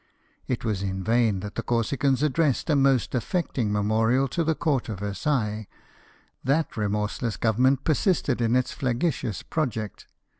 It was in vain that the Corsicans addressed a most affecting memorial to the court of Versailles : that remorseless Government persisted in its flagitious project.